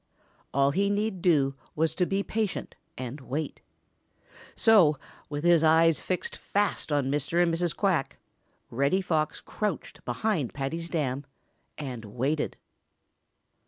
All he need do was to be patient and wait. So, with his eyes fixed fast on Mr. and Mrs. Quack, Reddy Fox crouched behind Paddy's dam and waited.